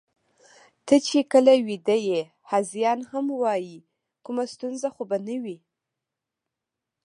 ته چې کله ویده یې، هذیان هم وایې، کومه ستونزه خو به نه وي؟